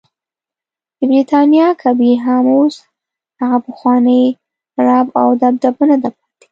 د برټانیا کبیر هم اوس هغه پخوانی رعب او دبدبه نده پاتې.